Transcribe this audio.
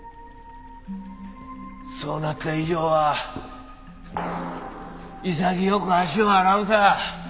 そうなった以上は潔く足を洗うさ。